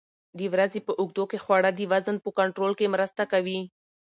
د ورځې په اوږدو کې خواړه د وزن په کنټرول کې مرسته کوي.